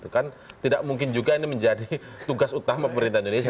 kan tidak mungkin juga ini menjadi tugas utama pemerintah indonesia